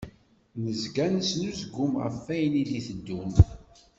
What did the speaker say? Nezga nesnezgum ɣef wayen i d-iteddun.